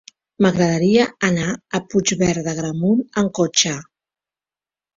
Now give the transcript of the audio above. M'agradaria anar a Puigverd d'Agramunt amb cotxe.